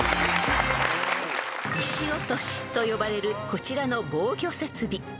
［石落としと呼ばれるこちらの防御設備］